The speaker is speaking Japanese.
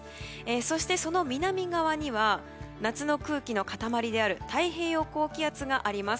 そして、その南側には夏の空気の塊である太平洋高気圧があります。